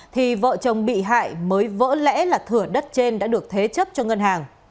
thì vợ chồng bị hại mới vỡ lẽ là thửa đất trên đã được thế chấp cho ngân hàng